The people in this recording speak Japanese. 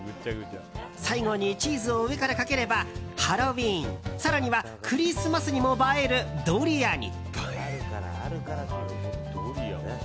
最後にチーズを上からかければハロウィーン、更にはクリスマスにも映えるドリアに。